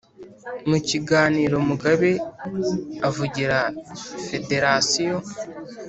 Mu kiganiro Mugabe uvugira federasiyo